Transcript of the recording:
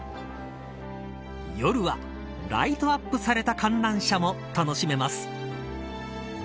夜はライトアップされた観覧車も楽しめます。